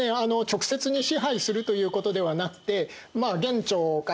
直接に支配するということではなくて元朝からね